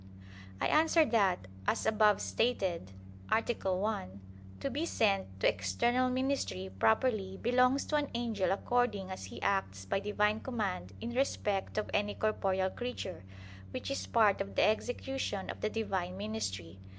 I answer that, As above stated (A. 1), to be sent to external ministry properly belongs to an angel according as he acts by Divine command in respect of any corporeal creature; which is part of the execution of the Divine ministry.